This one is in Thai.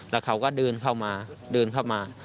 แล้วเขาก็เดินเข้ามาเดินเข้ามา